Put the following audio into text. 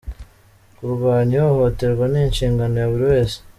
Kurwanya ihohoterwa ni inshingano ya buri wese.